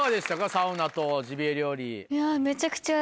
サウナとジビエ料理。